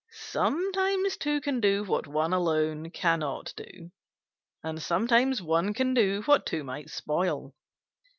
"Sometimes two can do what one cannot do alone, and sometimes one can do what two might spoil.